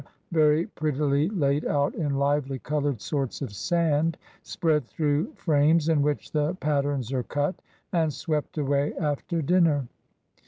very prettily laid out in lively colored sorts of sand, spread through frames in which the pat terns are cut, and swept away after dinner.